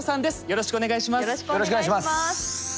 よろしくお願いします。